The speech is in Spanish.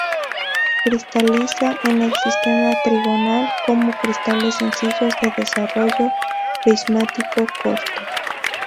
Cristaliza en el sistema trigonal, como cristales sencillos de desarrollo prismático corto.